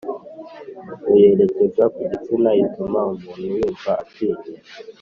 Mu yerekeza ku gitsina ituma umuntu yumva atinye